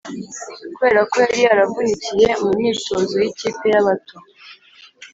kubera ko yari yaravunikiye mu myitozo y’ikipe y’abato